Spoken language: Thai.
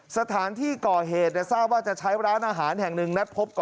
สถานที่ก่อเหตุทนายทราบว่าจะใช้ร้านอาหารแห่งนึง